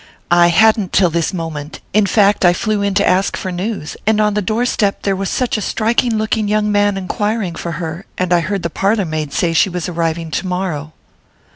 "I hadn't till this moment; in fact I flew in to ask for news, and on the door step there was such a striking looking young man enquiring for her, and I heard the parlour maid say she was arriving tomorrow."